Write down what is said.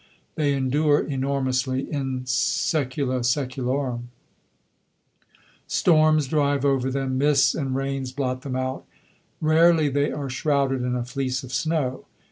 They endure enormously, in sæcula sæculorum. Storms drive over them, mists and rains blot them out; rarely they are shrouded in a fleece of snow.